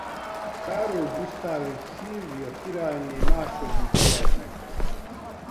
Károly Gusztáv és Szilvia királyné második gyermeke.